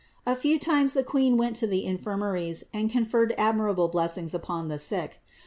A few times the Queen went to the infirmaries and conferred admirable blessings upon the sick.